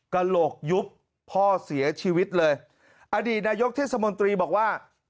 กระโหลกยุบพ่อเสียชีวิตเลยอดีตนายกเทศมนตรีบอกว่า